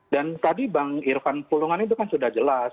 dan tadi bang irfan pulungan itu kan sudah jelas